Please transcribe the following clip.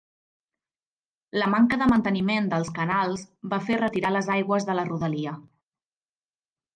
La manca de manteniment dels canals va fer retirar les aigües de la rodalia.